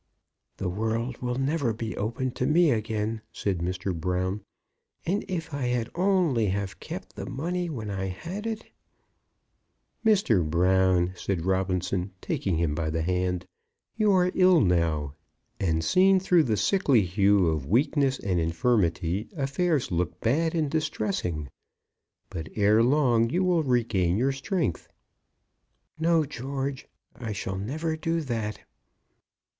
"The world will never be open to me again," said Mr. Brown. "And if I had only have kept the money when I had it " "Mr. Brown," said Robinson, taking him by the hand, "you are ill now, and seen through the sickly hue of weakness and infirmity, affairs look bad and distressing; but ere long you will regain your strength." "No, George, I shall never do that."